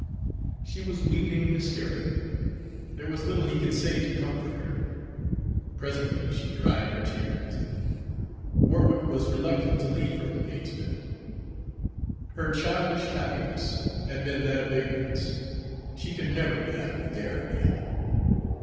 She was weeping hysterically. There was little he could say to comfort her. Presently she dried her tears. Warwick was reluctant to leave her in Patesville. Her childish happiness had been that of ignorance; she could never be happy there again.